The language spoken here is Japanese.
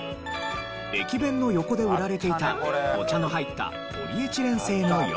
駅弁の横で売られていたお茶の入ったポリエチレン製の容器。